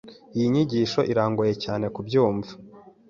Iyi nyigisho irangoye cyane kubyumva.